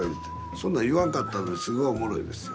そんなん言わんかったのにすごいおもろいですよ。